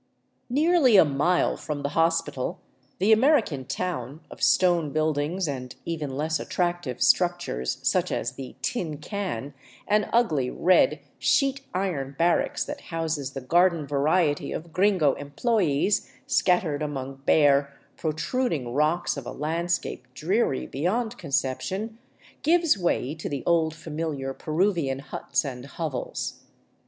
Nearly a mile from the hospital, the American town, of stone build ings and even less attractive structures, such as the " Tin Can," an ugly, red, sheet iron barracks that houses the garden variety of gringo employees, scattered among bare, protruding rocks of a landscape dreary beyond conception, gives way to the old familiar Peruvian huts and hovels.